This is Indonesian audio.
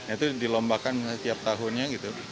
itu dilombakan setiap tahunnya gitu